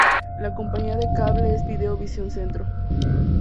La compañía de cable es Video Visión Centro.